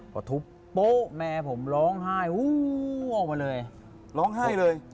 พอทุบโป๊ะแม่ผมร้องไห้อู้ออกมาเลยร้องไห้เลย